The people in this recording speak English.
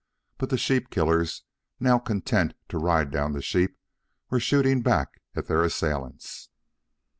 But the sheep killers, now content to ride down the sheep, were shooting back at their assailants.